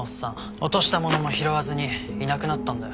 落とした物も拾わずにいなくなったんだよ。